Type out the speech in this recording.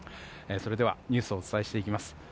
それではニュースをお伝えしていきます。